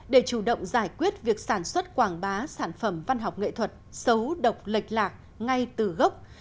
để chủ động giải quyết việc sản xuất quảng bá sản phẩm văn học nghệ thuật xấu độc lệch lạc ngay từ gốc